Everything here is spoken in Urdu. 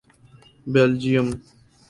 بیلجیم